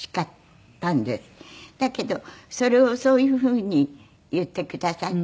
だけどそれをそういうふうに言ってくださって。